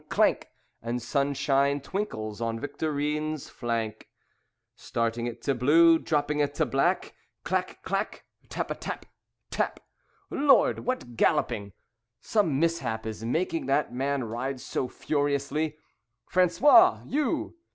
Clank! And sunshine twinkles on Victorine's flank, Starting it to blue, Dropping it to black. Clack! Clack! Tap a tap! Tap! Lord! What galloping! Some mishap Is making that man ride so furiously. "Francois, you!